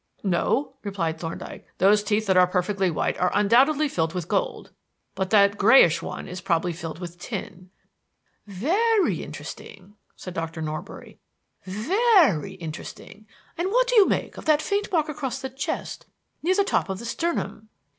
"No," replied Thorndyke. "Those teeth that are perfectly white are undoubtedly filled with gold, but that grayish one is probably filled with tin." "Very interesting," said Dr. Norbury. "Very interesting! And what do you make of that faint mark across the chest, near the top of the sternum?"